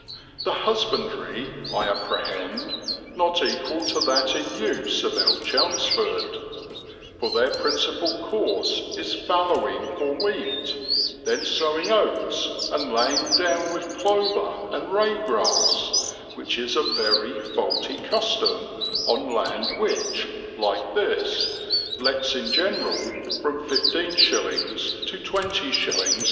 The husbandry, I apprehend, not equal to that in use about Chelmsford; for their principal course is fallowing for wheat, then sowing oats and laying down with clover and ray grass, which is a very faulty custom on land which, like this, lets in general from 15s. to 20s.